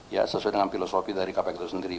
ya sesuai dengan filosofi dari kpk itu sendiri